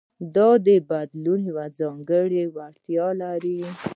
دا د بدلېدو یوه ځانګړې وړتیا لري.